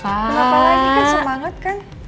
kenapa lagi kan semangat kan